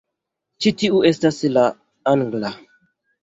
Ĉi tiu estas en la angla